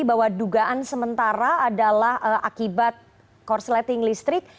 jadi bahwa dugaan sementara adalah akibat cross lighting listrik